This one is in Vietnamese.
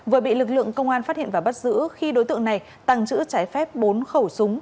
vừa bị lực lượng công an phát hiện và bắt giữ khi đối tượng này tăng trữ trái phép bốn khẩu súng